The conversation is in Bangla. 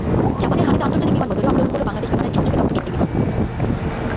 জাপানের হানেদা আন্তর্জাতিক বিমানবন্দরে অবতরণ করল বাংলাদেশ বিমানের ঝকঝকে তকতকে একটি বিমান।